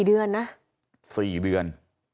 เดือนนะ๔เดือน